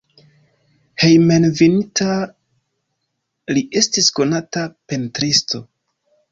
Hejmenveninta li estis konata pentristo.